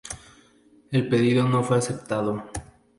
El pedido no fue aceptado.